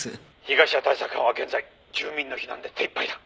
「被害者対策班は現在住民の避難で手いっぱいだ」